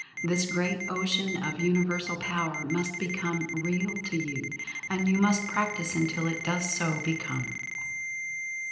This Great Ocean of Universal Power must become REAL to you — and you must practice until it does so become.